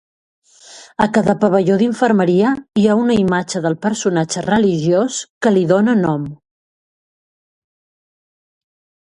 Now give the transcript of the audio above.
A cada pavelló d'infermeria hi ha una imatge del personatge religiós que li dóna nom.